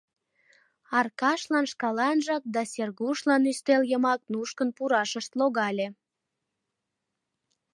Аркашлан шкаланжак да Сергушлан ӱстел йымак нушкын пурашышт логале.